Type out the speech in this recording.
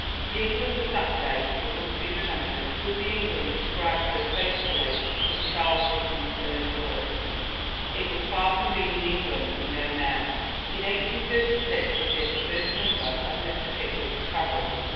The England of that day, it must be remembered, was the England described so faithfully in Charles Dickens' early works. It was far from being the England we know now. In 1836 appeared the first number of Mr Pickwick's travels.